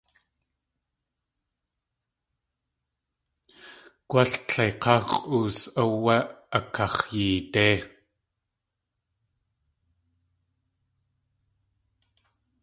Gwál tleik̲áa x̲ʼoos áwé a kax̲yeedé.